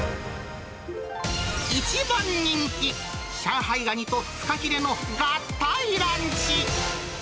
一番人気、上海ガニとフカヒレの合体ランチ。